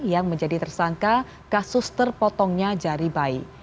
yang menjadi tersangka kasus terpotongnya jari bayi